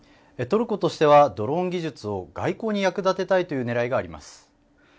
トルコとしてはドローン技術を外交に役立てたいというねらいがあります。